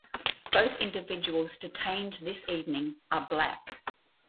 Both individuals detained this evening are black.